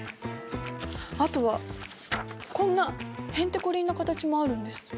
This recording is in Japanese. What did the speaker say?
あとはこんなへんてこりんな形もあるんです。